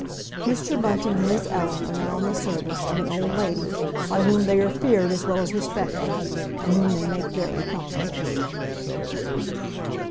Mr. Bunting and his Ellen are now in the service of an old lady, by whom they are feared as well as respected, and whom they make very comfortable.